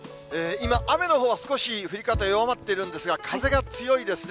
今、雨のほうは少し降り方、弱まっているんですが、風が強いですね。